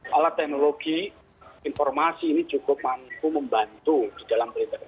malah teknologi informasi ini cukup mampu membantu di dalam perintah